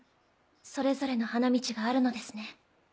それぞれの花道があるのですね。